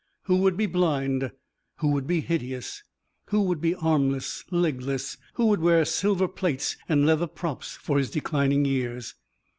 Who would be blind? Who would be hideous? Who would be armless, legless, who would wear silver plates and leather props for his declining years?